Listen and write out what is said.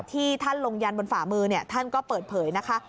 ที่ท่านลงยันบนฝ่ามือท่านก็เปิดเผยนะคะ